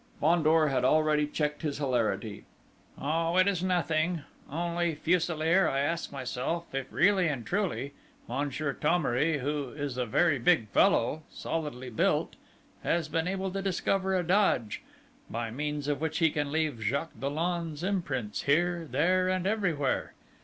Fandor had already checked his hilarity. "Oh, it's nothing! Only, Fuselier, I ask myself, if really and truly, Monsieur Thomery, who is a very big fellow solidly built, has been able to discover a dodge, by means of which he can leave Jacques Dollon's imprints here, there and everywhere!"